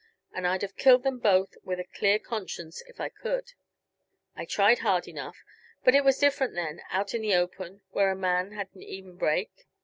And I'd have killed them both with a clear conscience, if I could. I tried hard enough. But it was different then; out in the open, where a man had an even break.